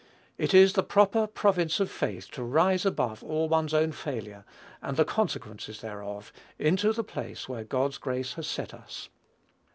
It is the proper province of faith to rise above all one's own failure, and the consequences thereof, into the place where God's grace has set us.